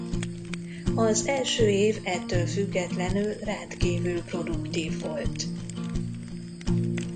Az első év ettől függetlenül rendkívül produktív volt.